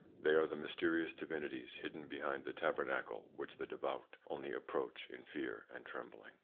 They are the mysterious divinities hidden behind the tabernacle, which the devout only approach in fear and trembling.